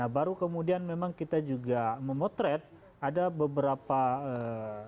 baru kemudian memang kita juga memotret ada beberapa ee